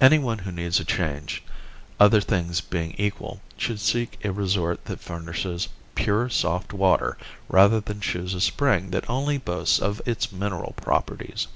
Any one who needs a change, other things being equal, should seek a resort that furnishes pure, soft water rather than choose a spring that only boasts of its mineral properties.